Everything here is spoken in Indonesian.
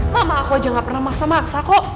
mama aku aja gak pernah maksa maksa kok